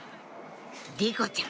莉子ちゃん